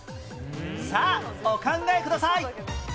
さあお考えください